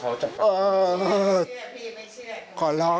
พี่ไม่เชื่อพี่ไม่เชื่อ